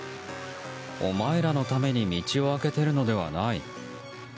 お前らのために道を開けてるのではない。